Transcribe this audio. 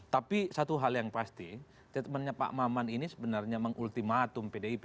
tapi satu hal yang pasti statementnya pak maman ini sebenarnya mengultimatum pdip